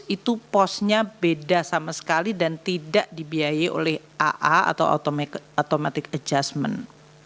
itu posnya beda sama sekali dan tidak dibiayai oleh aa atau automatic adjustment